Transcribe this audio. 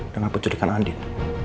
dengan penculikan andin